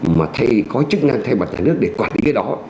mà có chức năng thay bằng nhà nước để quản lý cái đó